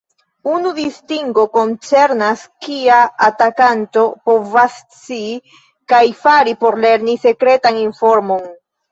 Unu distingo koncernas kia atakanto povas scii kaj fari por lerni sekretan informon.